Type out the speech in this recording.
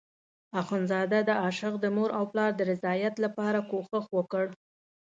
اخندزاده د عاشق د مور او پلار د رضایت لپاره کوشش وکړ.